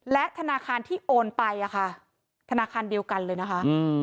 และธนาคารที่โอนไปอะค่ะธนาคารเดียวกันเลยนะคะ